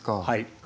はい。